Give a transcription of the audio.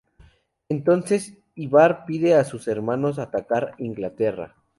Entonces, Ivar pide a sus hermanos atacar Inglaterra.